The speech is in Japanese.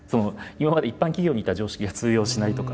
今まで一般企業にいた常識が通用しないとか。